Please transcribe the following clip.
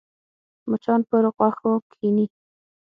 مچان پر غوښو کښېني